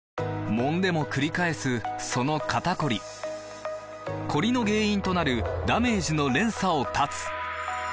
もんでもくり返すその肩こりコリの原因となるダメージの連鎖を断つ！